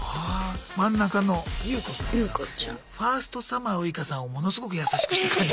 真ん中のユウコさんはファーストサマーウイカさんをものすごく優しくした感じ。